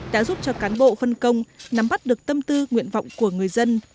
đã giúp cho cán bộ phân công nắm bắt được tâm tư nguyện vọng của người dân